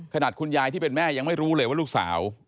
ขนาดคุณยายที่เป็นแม่ยังไม่รู้เลยว่าลูกสาว